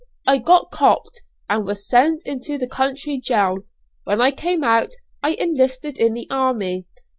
I got 'copt,' and was sent into the county jail. When I came out I enlisted in the army.